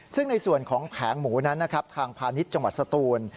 ซึ่งในส่วนของแผงหมูนั้นนะครับทางพาณิชย์จังหวัดสตูน